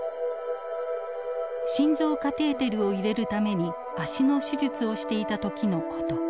心臓カテーテルを入れるために足の手術をしていた時の事。